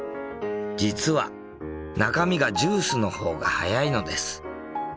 実は中身がジュースの方が速いのです。